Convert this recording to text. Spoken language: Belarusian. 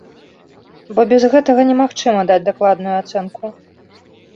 Бо без гэтага немагчыма даць дакладную ацэнку.